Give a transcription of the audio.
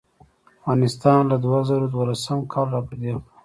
افغانستان له دوه زره دولسم کال راپه دې خوا